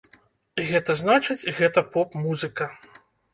Гэта значыць, гэта поп музыка.